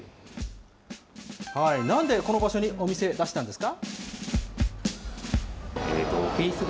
なんでこの場所にお店出したんですか？